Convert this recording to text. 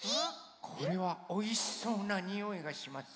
これはおいしそうなにおいがします。